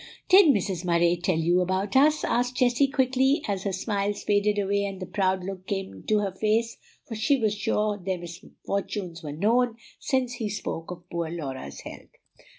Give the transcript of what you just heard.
"Did Mrs. Murray tell you about us?" asked Jessie quickly, as her smiles faded away and the proud look came into her face; for she was sure their misfortunes were known, since he spoke of poor Laura's health.